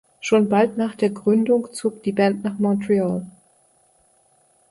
Schon bald nach der Gründung zog die Band nach Montreal.